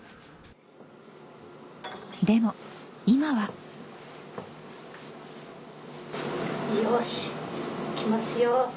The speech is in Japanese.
でも今はよし行きますよ